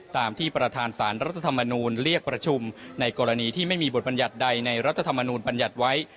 ตามที่ประธานสารรัฐธรรมนูลเรียกประชุมในกรณีที่ไม่มีบทบัญญัติใดในรัฐธรรมนูญบัญญัติไว้